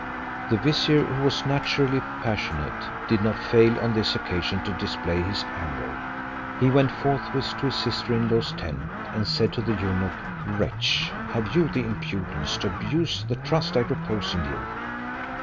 The vizier who was naturally passionate, did not fail on this occasion to display his anger. He went forthwith to his sister in law's tent, and said to the eunuch, "Wretch, have you the impudence to abuse the trust I repose in you?"